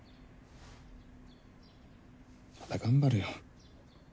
また頑張るよ。